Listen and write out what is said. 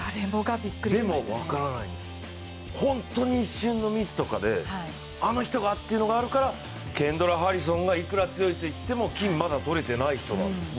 でも分からないです、本当に一瞬のミスとかであの人が！？っていうのがあるからケンドラ・ハリソンがいくら強いといっても、金がまだ取れていない人なんです。